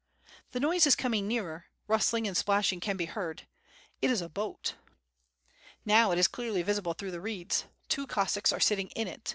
The noise is coming nearer, rustling and splashing can be heard; it is a boat. Now it is clearly visible through the reeds. Two Cossacks are sitting in it.